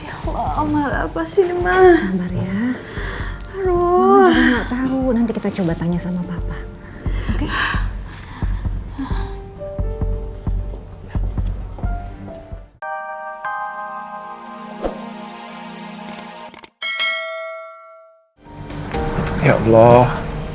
jauh kena anin dari hal hal yang buruk ya allah